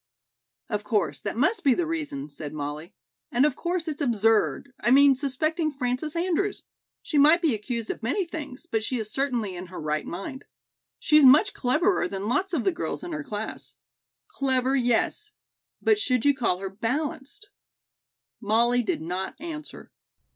"Of course that must be the reason," said Molly, "and of course it's absurd, I mean suspecting Frances Andrews. She might be accused of many things, but she is certainly in her right mind. She's much cleverer than lots of the girls in her class." "Clever, yes. But should you call her balanced?" Molly did not answer.